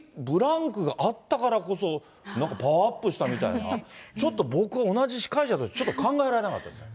ブランクがあったからこそ、なんかパワーアップしたみたいな、ちょっと僕、同じ司会者として考えられなかったですね。